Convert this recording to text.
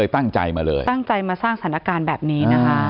ตั้งใจมาสร้างสถานการณ์แบบนี้